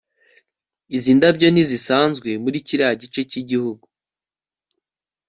Izi ndabyo ntizisanzwe muri kiriya gice cyigihugu